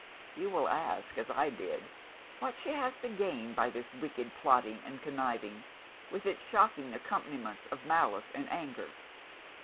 "You will ask, as I did, what has she to gain by this wicked plotting and contriving, with its shocking accompaniments of malice and anger?